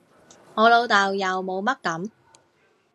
我老豆又冇乜噉